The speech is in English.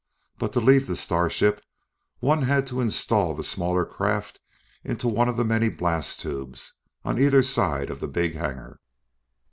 But to leave the starship, one had to install the smaller craft into one of the many blast tubes on either side of the big hangar.